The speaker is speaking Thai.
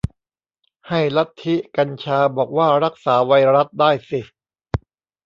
ให้ลัทธิกัญชาบอกว่ารักษาไวรัสได้สิ